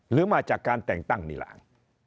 หรือมาจากการแต่งตั้งนี่แหละ